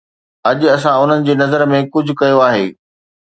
اڄ اسان انهن جي نظر ۾ ڪجهه ڪيو آهي